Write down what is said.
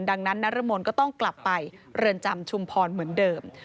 ดังนั้นนรมนก็ต้องกลับไปเรือนจำชุมพรเหมือนเดิม